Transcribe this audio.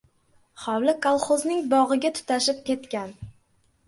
Hovli kolxozning bog‘iga tutashib ketgan.